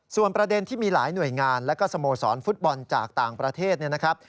ส่วนประเด็นที่มีหลายหน่วยงานแล้วก็สโมสรฟุตบอลจากต่างประเทศเนี่ยนะครับ